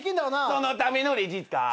そのためのレジ使い。